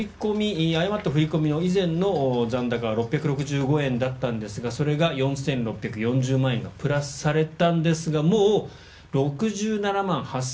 誤った振り込みの以前の残高が６６５円だったんですがそれが４６３０万円がプラスされたんですがもう６７万８０００円